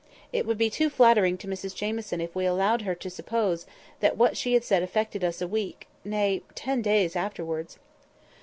It would be too flattering to Mrs Jamieson if we allowed her to suppose that what she had said affected us a week, nay ten days afterwards."